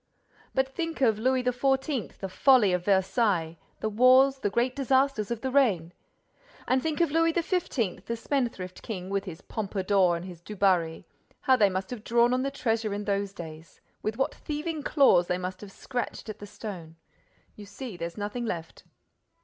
But think of Louis XIV., the folly of Versailles, the wars, the great disasters of the reign! And think of Louis XV., the spendthrift king, with his Pompadour and his Du Barry! How they must have drawn on the treasure in those days! With what thieving claws they must have scratched at the stone. You see, there's nothing left."